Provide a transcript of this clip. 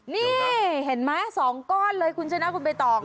นี่เห็นมั้ยสองก้อนเลยแล้วคุณชนะผู้ใบต่อง